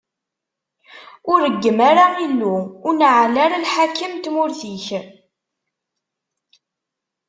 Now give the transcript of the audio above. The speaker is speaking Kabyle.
Ur reggem ara Illu, ur neɛɛel ara lḥakem n tmurt-ik.